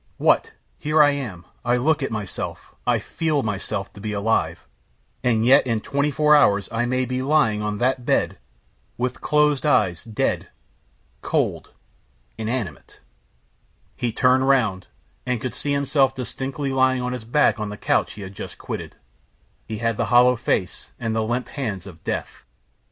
What! Here I am, I look at myself, I feel myself to be alive and yet in twenty four hours I may be lying on that bed, with closed eyes, dead, cold, inanimate." He turned round, and could see himself distinctly lying on his back on the couch he had just quitted. He had the hollow face and the limp hands of death.